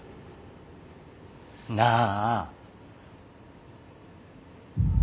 なあ。